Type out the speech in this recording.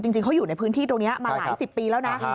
จริงเขาอยู่ในพื้นที่ตรงนี้มาหลายสิบปีแล้วนะ